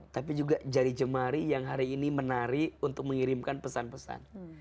tapi juga jari jemari yang hari ini menari untuk mengirimkan pesan pesan